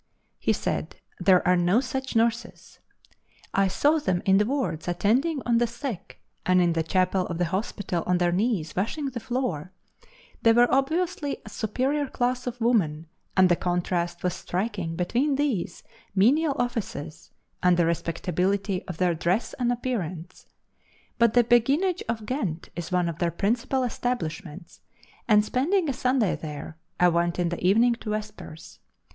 He said: "There are no such nurses." I saw them in the wards attending on the sick, and in the chapel of the hospital on their knees washing the floor. They were obviously a superior class of women, and the contrast was striking between these menial offices and the respectability of their dress and appearance; but the Beguinage of Ghent is one of their principal establishments, and, spending a Sunday there, I went in the evening to vespers.